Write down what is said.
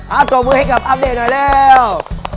เอาตัวมือให้กับอัปเดตหน่อยแล้ว